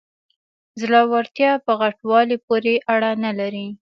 زړورتیا په غټوالي پورې اړه نلري.